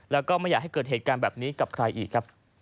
แล้วก็ไม่อยากให้เกิดเหตุการณ์แบบนี้กับใครอีกครับ